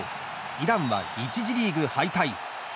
イランは１次リーグ敗退。